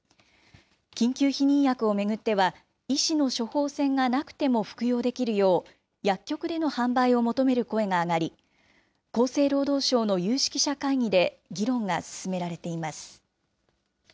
緊急避妊薬を巡っては、医師の処方箋がなくても服用できるよう、薬局での販売を求める声が上がり、厚生労働省の有識者会議で議論が進められています。